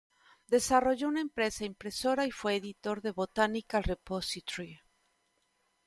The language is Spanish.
Desarrolló una empresa impresora y fue editor de "Botanical Repository".